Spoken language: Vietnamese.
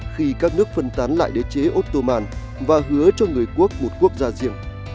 khi các nước phân tán lại đế chế otoman và hứa cho người quốc một quốc gia riêng